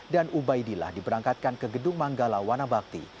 dan ubaidillah diberangkatkan ke gedung manggala wana bakti